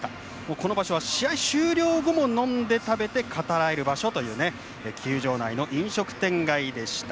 この場所は試合終了後も飲んで食べて語らえる場所という、球場内の飲食店街でした。